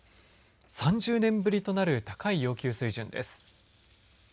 ３０年ぶりとなる高い要求水準です。